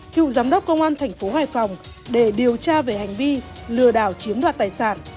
cựu giám đốc công an thành phố hải phòng để điều tra về hành vi lừa đảo chiếm đoạt tài sản